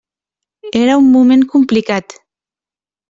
Era un moment complicat.